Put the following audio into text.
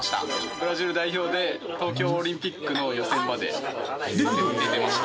ブラジル代表で東京オリンピックの予選まで出てました。